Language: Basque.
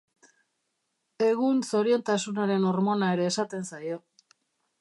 Egun zoriontasunaren hormona ere esaten zaio.